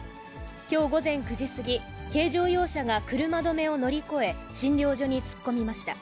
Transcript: きょう午前９時過ぎ、軽乗用車が車止めを乗り越え、診療所に突っ込みました。